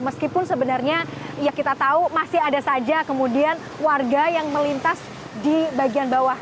meskipun sebenarnya ya kita tahu masih ada saja kemudian warga yang melintas di bagian bawah